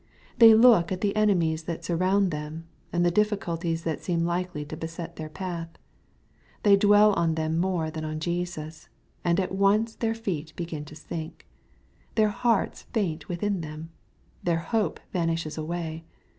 They look at the enemies that surround them, and the difficulties that seem likely to beset their path. They dwell on them more than on Jesus, and at once their feet begin to sink. Their hearts faint within them. Their hope vanishes away.